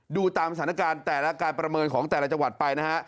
ดูตามสถานการณ์แต่ละการประเมินของแต่ละจังหวัดไปนะฮะ